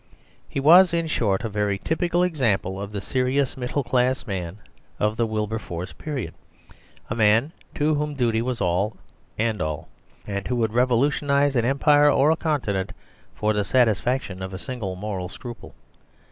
He was, in short, a very typical example of the serious middle class man of the Wilberforce period, a man to whom duty was all in all, and who would revolutionise an empire or a continent for the satisfaction of a single moral scruple.